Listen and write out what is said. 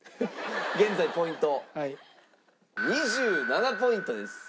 現在ポイント２７ポイントです。